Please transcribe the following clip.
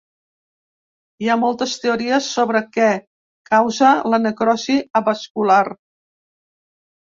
Hi ha moltes teories sobre què causa la necrosi avascular.